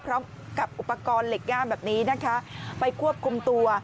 พร้อมกับอุปกรณ์เหล็กย่ามแบบนี้นะคะไปควบคุมตัว